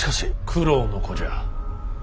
九郎の子じゃ。